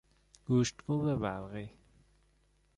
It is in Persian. گوشتکوب برقی